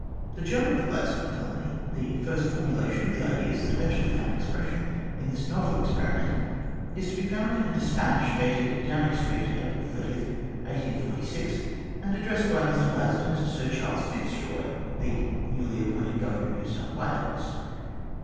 The germ of the Gladstone Colony, the first formulation of the ideas that eventually found expression in this novel experiment, is to be found in a despatch dated Downing Street, April 30, 1846, and addressed by Mr Gladstone to Sir Charles Fitzroy, the newly appointed Governor of New South Wales.